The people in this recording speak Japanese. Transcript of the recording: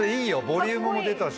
ボリュームも出たし。